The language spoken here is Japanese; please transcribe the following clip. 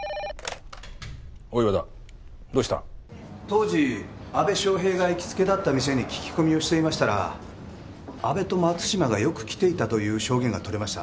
当時阿部祥平が行きつけだった店に聞き込みをしていましたら阿部と松島がよく来ていたという証言が取れました。